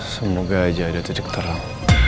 semoga aja ada titik terang